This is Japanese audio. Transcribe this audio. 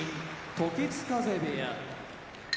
時津風部屋